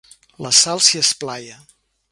La Sal s'hi esplaia.